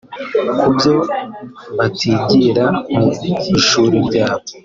kubyo batigira mu ishuri ryabo